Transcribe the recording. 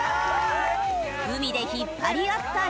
海で引っ張り合ったり。